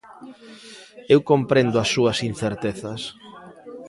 Eu comprendo as súas incertezas.